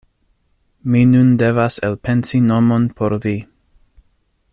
Mi nun devas elpensi nomon por li.